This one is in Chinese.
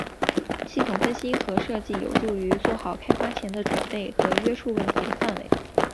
系统分析和设计有助于做好开发前的准备和约束问题的范围。